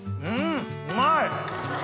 うんうまい！